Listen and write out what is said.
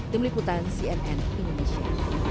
tim liputan cnn indonesia